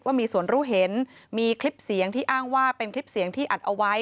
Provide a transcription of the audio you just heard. ว่ามีส่วนรู้เห็นมีคลิปเสียงที่อ้างว่าเป็นคลิปเสียงที่อัดเอาไว้